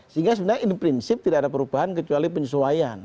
sehingga sebenarnya in prinsip tidak ada perubahan kecuali penyesuaian